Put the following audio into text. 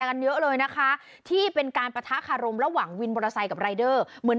กันเยอะเลยนะคะที่เป็นการปะทะคารมระหว่างวินมอเตอร์ไซค์กับรายเดอร์เหมือน